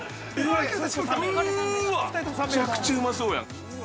◆ううっわ、めちゃくちゃうまそうやん。